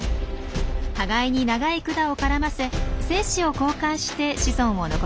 互いに長い管を絡ませ精子を交換して子孫を残します。